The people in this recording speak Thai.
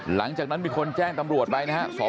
หลังจากนั้นมีคนแจ้งตำรวจไปนะครับ